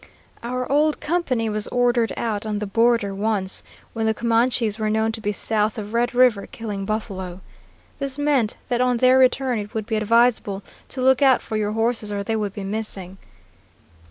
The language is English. "Our old company was ordered out on the border once, when the Comanches were known to be south of Red River killing buffalo. This meant that on their return it would be advisable to look out for your horses or they would be missing.